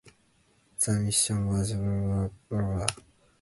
The mission was managed by Cardinal Wolsey.